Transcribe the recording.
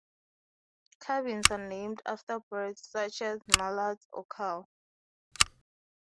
Cabins are named after birds, such as mallards or crows.